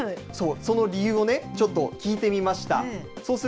その理由をちょっと聞いてみました。